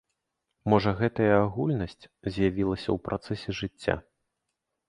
Можа гэтая агульнасць з'явілася ў працэсе жыцця.